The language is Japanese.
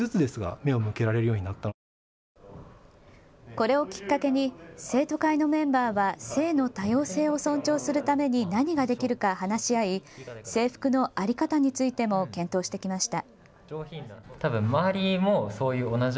これをきっかけに生徒会のメンバーは性の多様性を尊重するために何ができるか話し合い制服の在り方についても検討してきました。